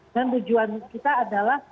dan tujuan kita adalah